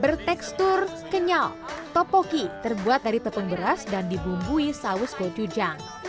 bertekstur kenyal topoki terbuat dari tepung beras dan dibumbui saus bocujang